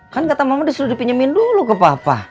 kan kata mama disuruh dipinjamin dulu ke papa